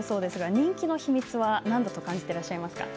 人気の秘密は、何だと感じていますか？